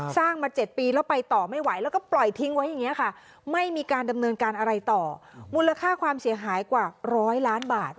มา๗ปีแล้วไปต่อไม่ไหวแล้วก็ปล่อยทิ้งไว้อย่างนี้ค่ะไม่มีการดำเนินการอะไรต่อมูลค่าความเสียหายกว่าร้อยล้านบาท